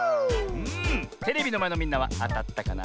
テレビのまえのみんなはあたったかな？